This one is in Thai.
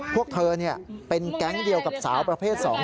พวกเธอเป็นแก๊งเดียวกับสาวประเภท๒